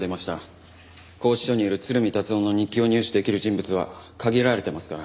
拘置所にいる鶴見達男の日記を入手できる人物は限られてますから。